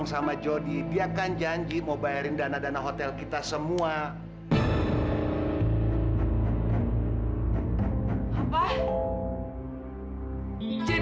sampai jumpa di video selanjutnya